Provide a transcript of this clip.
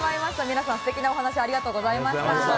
皆さん素敵なお話ありがとうございました。